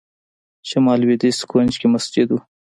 شمال لوېدیځ کونج کې مسجد و.